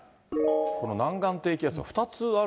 この南岸低気圧は２つある？